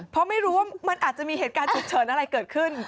เพราะไม่รู้ว่ามันอาจจะมีเหตุการณ์ฉุกเฉินอะไรเกิดขึ้น